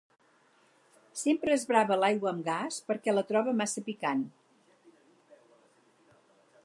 Sempre esbrava l'aigua amb gas perquè la troba massa picant.